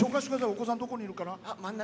お子さんどこにいるかな？